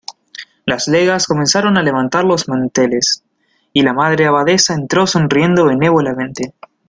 las legas comenzaron a levantar los manteles, y la Madre Abadesa entró sonriendo benévolamente: